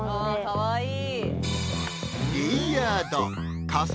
かわいい！